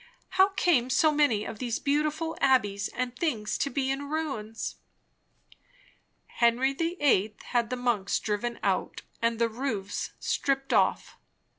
How came so many of these beautiful abbeys and things to be in ruins?" "Henry the Eighth had the monks driven out and the roofs stripped off.